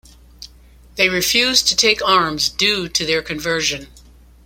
They refuse to take arms due to their conversion.